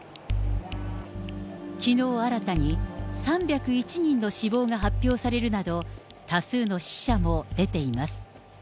きのう、新たに３０１人の死亡が発表されるなど、多数の死者も出ています。